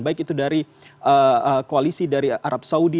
baik itu dari koalisi dari arab saudi